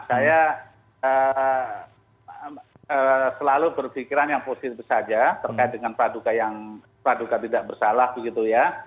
saya selalu berpikiran yang positif saja terkait dengan praduka tidak bersalah begitu ya